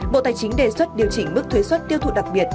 bộ tài chính đề xuất điều chỉnh mức thuế xuất tiêu thụ đặc biệt